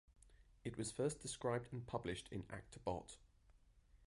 It was first described and published in Acta Bot.